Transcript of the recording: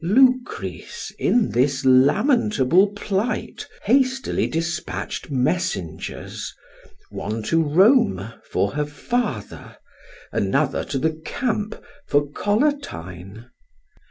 Lucrece, in this lamentable plight, hastily dispatched messengers, one to Rome for her father, another to the camp for Collatine.